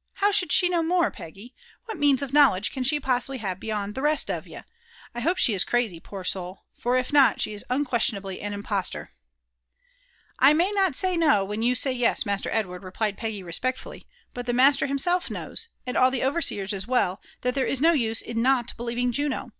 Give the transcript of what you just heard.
" How should she know more, Peggy? What means of knowledge can she possibly have beyond the rest of ye? I hope she is crazy, poor soul ! for if not, she is unquestionably an impostor." "I may not say no, when you say yes, Master Edward," replied 1^ UFB 4NP ADVBNTUBBS OF Peggy respectfally ; ''but the miiiter hioMKlf kmwi, and all the overseers as well, that there is na use in not bdieving Juno.